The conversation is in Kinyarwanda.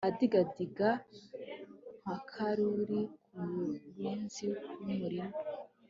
idigadiga nk'akaruri k'umurinzi w'umurima